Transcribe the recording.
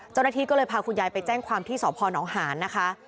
เจ้าหน้าที่ก็เลยพาคุณยายไปแจ้งความที่สพนหารนะคะ